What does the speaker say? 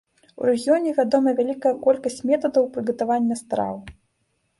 У рэгіёне вядома вялікая колькасць метадаў прыгатавання страў.